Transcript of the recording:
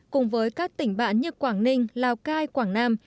cùng với các tỉnh bạn như quảng ninh lào cai quảng nam